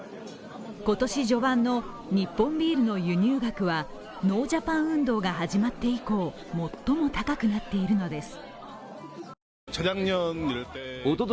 今年序盤の日本ビールの輸入額はノージャパン運動が始まって以降、最も高くなっているのです。